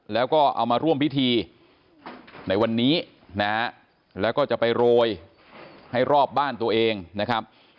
แล้วก็เอามาร่วมพิธีในวันนี้นะฮะแล้วก็จะไปโรยให้รอบบ้านตัวเองนะครับ